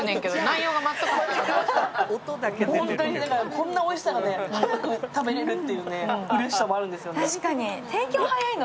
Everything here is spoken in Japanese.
こんなおいしさが早く食べられるってうれしさもあるんです。